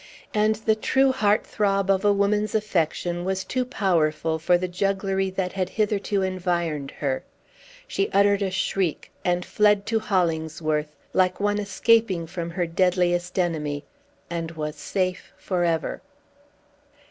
And the true heart throb of a woman's affection was too powerful for the jugglery that had hitherto environed her. She uttered a shriek, and fled to Hollingsworth, like one escaping from her deadliest enemy, and was safe forever.